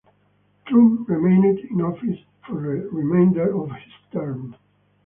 Trump remained in office for the remainder of his term.